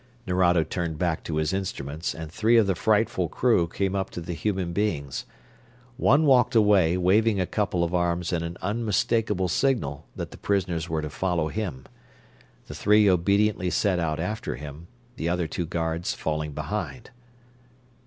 Nerado turned back to his instruments and three of the frightful crew came up to the human beings. One walked away, waving a couple of arms in an unmistakable signal that the prisoners were to follow him. The three obediently set out after him, the other two guards falling behind.